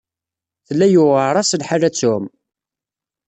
Tella yuɛer-as lḥal ad tɛumm.